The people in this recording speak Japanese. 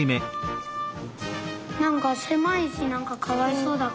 なんかせまいしなんかかわいそうだから。